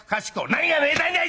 何がめでたいんだい！